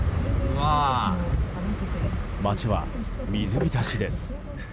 街は水浸しです。